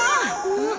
うん？